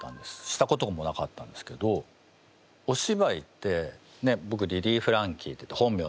したこともなかったんですけどおしばいってぼくリリー・フランキーっていって本名